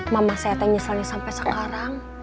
mama saya teh nyeselnya sampai sekarang